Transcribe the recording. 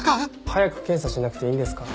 早く検査しなくていいんですか？